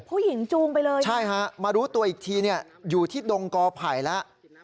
ผู้หญิงจูงไปเลยใช่ฮะมารู้ตัวอีกทีอยู่ที่ดงกอภัยแล้ว